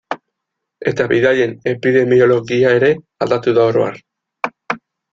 Eta bidaien epidemiologia ere aldatu da oro har.